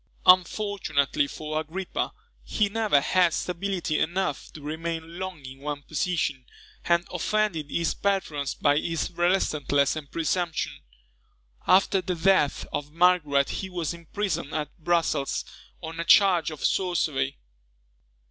Unfortunately for Agrippa, he never had stability enough to remain long in one position, and offended his patrons by his restlessness and presumption. After the death of Margaret he was imprisoned at Brussels, on a charge of sorcery.